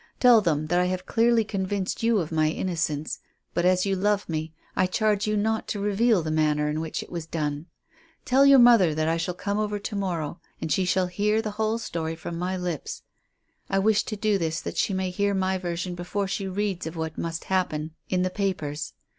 Tell them that I have clearly convinced you of my innocence; but, as you love me, I charge you not to reveal the manner in which it was done. Tell your mother that I shall come over to morrow, and she shall hear the whole story from my own lips. I wish to do this that she may hear my version before she reads of what must happen in the papers.